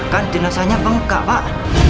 kan dinasahnya pengka pak